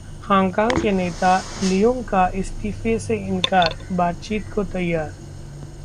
Hong Kong के नेता Leung का इस्तीफे से इनकार, बातचीत को तैयार